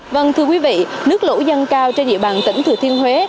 vâng thưa quý vị nước lũ dâng cao trên địa bàn tỉnh thừa thiên huế